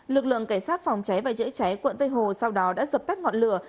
lực lượng cảnh sát phòng cháy và chữa cháy quận tây hồ sau đó đã dập tắt ngọn lửa